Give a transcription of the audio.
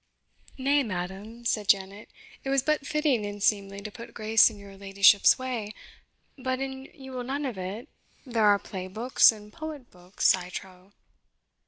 "Nay, madam," said Janet, "it was but fitting and seemly to put grace in your ladyship's way; but an you will none of it, there are play books, and poet books, I trow."